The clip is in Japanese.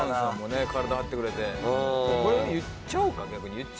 これ言っちゃおうか逆に。